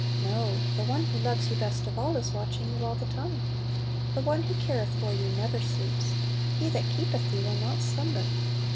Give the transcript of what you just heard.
No! The One who loves you best of all is watching you all the time; the One who careth for you never sleeps — "He that keepeth thee will not slumber."